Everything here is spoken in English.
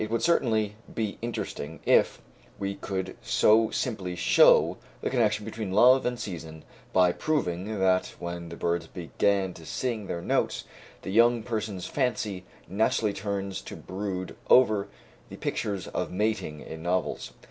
It would certainly be interesting if we could so simply show the connection between love and season, by proving that when the birds began to sing their notes, the young person's fancy naturally turns to brood over the pictures of mating in novels.